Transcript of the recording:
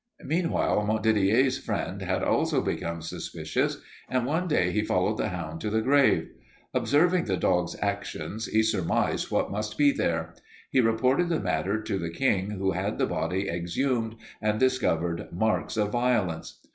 Meanwhile Montdidier's friend had also become suspicious and one day he followed the hound to the grave. Observing the dog's actions, he surmised what must be there. He reported the matter to the King who had the body exhumed and discovered marks of violence.